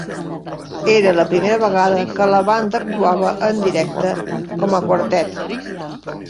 Era la primera vegada que la banda actuava en directe com a quartet.